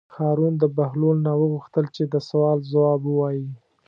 هارون د بهلول نه وغوښتل چې د سوال ځواب ووایي.